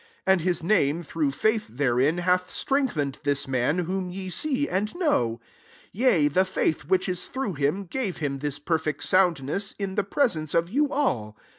16 And his name, through faith therein, hath strengthened this man, whom ye see and know : yea, the faith, which is through him, gave him this perfect soundness in the pre sence of you all.